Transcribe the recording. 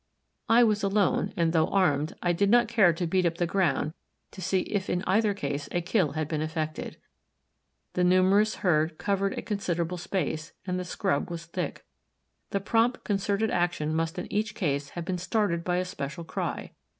I was alone, and though armed, I did not care to beat up the ground to see if in either case a kill had been effected. The numerous herd covered a considerable space, and the scrub was thick. The prompt concerted action must in each case have been started by a special cry.